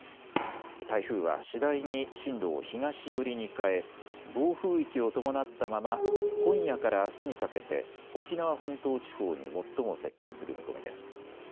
台風は次第に進路を東寄りに変え暴風域を伴ったまま今夜からあすにかけて沖縄本島地方に最も接近する見込みです。